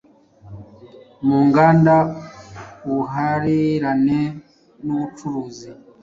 mu nganda, ubuhahirane n’ubucuruzi.